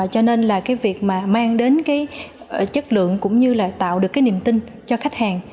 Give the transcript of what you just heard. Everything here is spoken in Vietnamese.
cho nên việc mang đến chất lượng cũng như tạo được niềm tin cho khách hàng